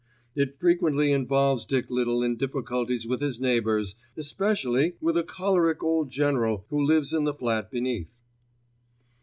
It frequently involves Dick Little in difficulties with his neighbours, especially with a choleric old general who lives in the flat beneath.